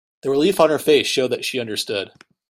The relief on her face showed that she understood.